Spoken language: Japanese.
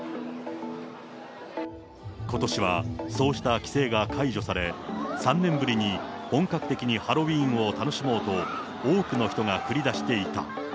ことしはそうした規制が解除され、３年ぶりに本格的にハロウィーンを楽しもうと、多くの人が繰り出していた。